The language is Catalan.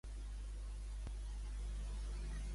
Quina és l'aparença de Lola Vendetta?